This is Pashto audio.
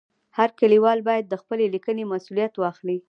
هر لیکوال باید د خپلې لیکنې مسؤلیت واخلي.